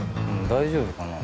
大丈夫かな？